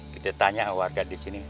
kita tanya warga di sini